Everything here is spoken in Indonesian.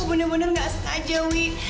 aku bener bener gak sengaja wih